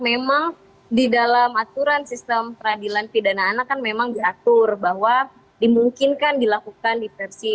memang di dalam aturan sistem peradilan pidana anak kan memang diatur bahwa dimungkinkan dilakukan diversi